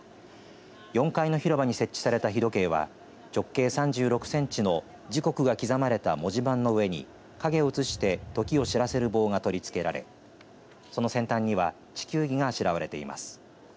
４階の広場に設置された日時計は直径３６センチの時刻が刻まれた文字盤の上に影を映して時を知らせる棒が取りつけられその先端には地球儀があしらわれています。